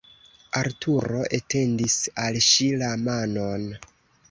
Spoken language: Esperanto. Arturo etendis al ŝi la manon.